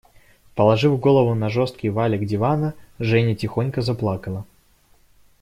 Положив голову на жесткий валик дивана, Женя тихонько заплакала.